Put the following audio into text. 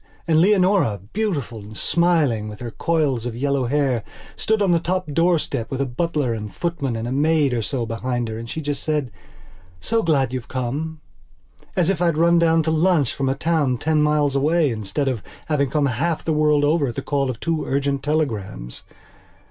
And Leonora, beautiful and smiling, with her coils of yellow hair, stood on the top doorstep, with a butler and footman and a maid or so behind her. And she just said: "So glad you've come," as if I'd run down to lunch from a town ten miles away, instead of having come half the world over at the call of two urgent telegrams.